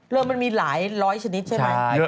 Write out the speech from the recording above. มันมีหลายร้อยชนิดใช่ไหม